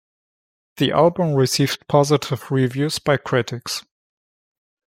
The album received positive reviews by critics.